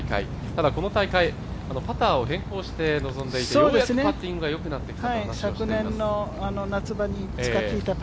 ただこの大会、パターを変更して臨んでいてようやくパッティングがよくなってきたと話をしています。